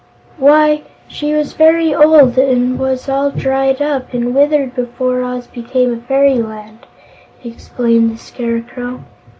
"Why, she was very old and was all dried up and withered before Oz became a fairyland," explained the Scarecrow.